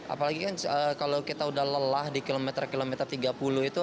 apalagi kan kalau kita udah lelah di kilometer kilometer tiga puluh itu